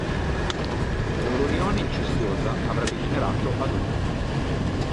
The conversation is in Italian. La loro unione incestuosa avrebbe generato Adone.